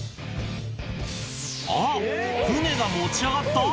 あっ、船が持ち上がった？